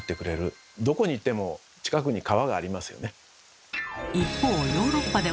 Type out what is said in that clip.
どこに行っても近くに川がありますよね。